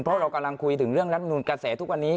เพราะเรากำลังคุยถึงเรื่องรัฐมนุนกระแสทุกวันนี้